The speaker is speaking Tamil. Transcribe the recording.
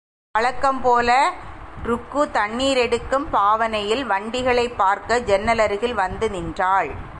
வழக்கம்போல ருக்கு தண்ணீர் எடுக்கும் பாவனையில் வண்டிகளைப் பார்க்க ஜன்னலருகில் வந்து நின்றாள்.